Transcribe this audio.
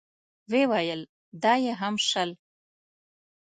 ويې ويل: دا يې هم شل.